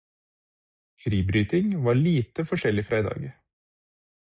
Fribryting var lite forskjellig fra i dag.